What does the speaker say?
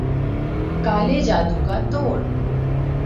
کالے جادو کا توڑ